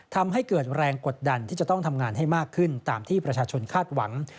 ทำให้เกิดแรงกดดันที่จะต้องทำงานให้มากขึ้นตามที่ประชาชนคาดหวัง